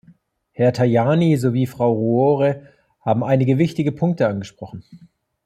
Herr Tajani sowie Frau Roure haben einige wichtige Punkte angesprochen.